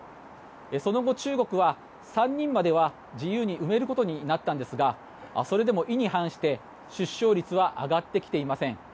その後、中国は３人までは自由に生めることになったんですがそれでも意に反して出生率は上がってきていません。